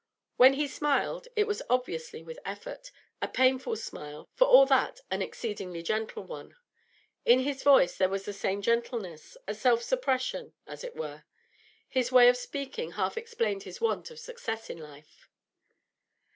When he smiled it was obviously with effort a painful smile, for all that an exceedingly gentle one. In his voice there was the same gentleness, a self suppression, as it were; his way of speaking half explained his want of success in life.